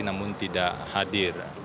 namun tidak hadir